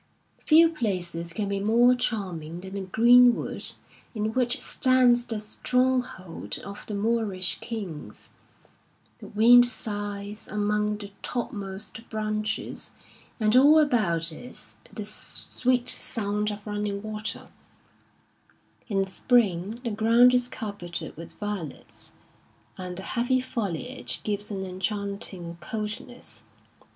Few places can be more charming than the green wood in which stands the stronghold of the Moorish kings ; the wind sighs among the topmost branches and all about is the sweet sound of running water ; in spring the ground is carpeted with violets, and the heavy foliage gives an enchanting coldness.